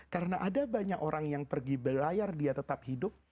karena ada banyak orang yang pergi berlayar dia tetap hidup